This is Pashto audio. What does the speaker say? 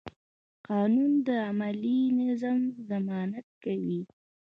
قانون د عملي نظم ضمانت کوي.